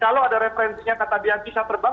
kalau ada referensinya kata dia bisa terbang